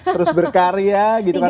terus berkarya gitu kan